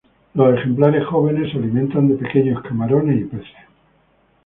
Los ejemplares jóvenes se alimentan de pequeños camarones y peces.